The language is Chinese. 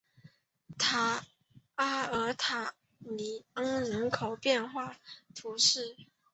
阿尔塔尼昂人口变化图示